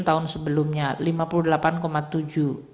tahun sebelumnya lima puluh delapan tujuh